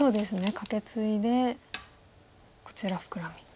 カケツイでこちらフクラミ。